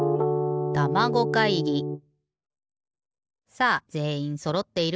さあぜんいんそろっているかな？